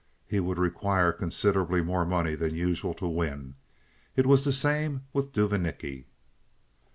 He would require considerably more money than usual to win. It was the same with Duvanicki.